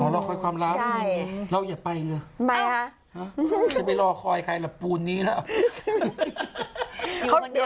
เดี๋ยวเขาจะเติ้ลอีกโรยหนึ่ง